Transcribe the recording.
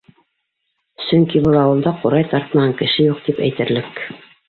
Сөнки был ауылда ҡурай тартмаған кеше юҡ тип әйтерлек.